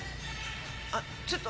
あっちょっと。